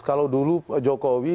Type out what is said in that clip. kalau dulu jokowi